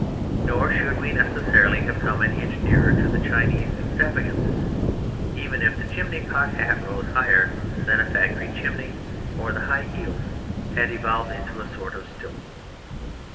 Nor should we necessarily have come an inch nearer to the Chinese extravagances even if the chimney pot hat rose higher than a factory chimney or the high heels had evolved into a sort of stilts.